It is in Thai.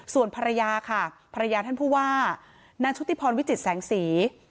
ส่วนภรรยาค่ะภรรยาท่านผู้ว่านางชุติพรวิจิตแสงสี